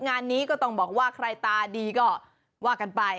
งานนี้ก็ต้องบอกว่าใครตาดีก็ว่ากันไป